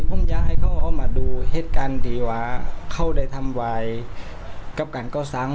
ผมอยากให้เขามาดูเหตุการณ์ดีว่าเขาได้ทำวายกับการก่อสัง